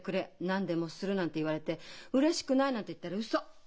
何でもする」なんて言われて「うれしくない」なんて言ったらウソ！